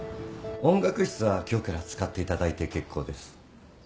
音楽室は今日から使っていただいて結構です。